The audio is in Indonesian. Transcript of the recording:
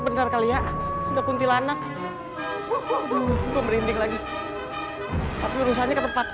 benar kali ya udah kuntilanak merinding lagi tapi urusannya ke tempat